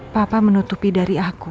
papa menutupi dari aku